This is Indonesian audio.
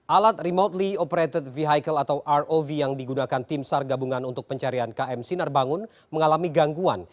alat remotely operated vehicle atau rov yang digunakan tim sar gabungan untuk pencarian km sinar bangun mengalami gangguan